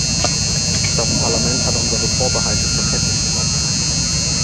Das Parlament hat unsere Vorbehalte zur Kenntnis genommen.